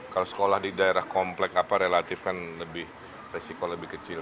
kalau sekolah di daerah komplek apa relatif kan lebih resiko lebih kecil